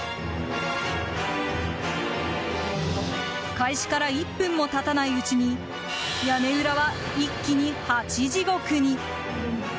開始から１分も経たないうちに屋根裏は一気にハチ地獄に。